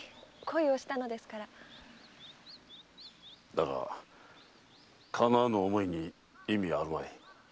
だが叶わぬ想いに意味はあるまい。